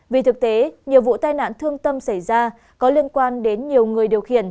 vì thực tế nhiều vụ tai nạn thương tâm xảy ra có liên quan đến nhiều người điều khiển